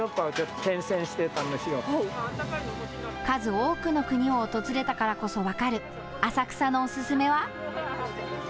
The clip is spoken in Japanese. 数多くの国を訪れたからこそ分かる浅草のおすすめは？